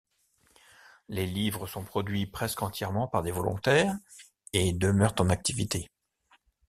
Les livres sont produits presque entièrement par des volontaires, et demeurent en activité.